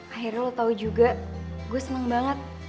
akhirnya lo tau juga gue senang banget